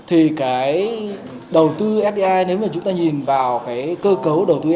thì đầu tư fdi nếu chúng ta nhìn vào cơ cấu đầu tư